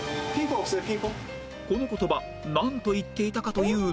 この言葉なんと言っていたかというと